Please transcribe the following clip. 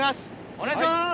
お願いします！